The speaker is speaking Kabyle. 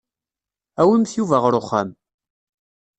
Awimt Yuba ɣer uxxam.